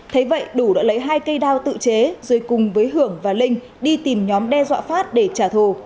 thế vậy đủ đã lấy hai cây đao tự chế rồi cùng với hưởng và linh đi tìm nhóm đe dọa phát để trả thù